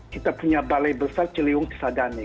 kita punya balai besar ciliwung kesadane